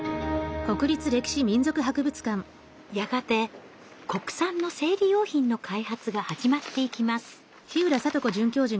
やがて国産の生理用品の開発が始まっていきます。